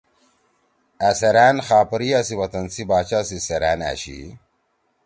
أ سیرأن خاپریا سی وطن سی باچا سی سیرأن أشی۔